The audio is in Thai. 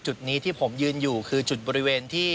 จุดนี้ที่ผมยืนอยู่คือจุดบริเวณที่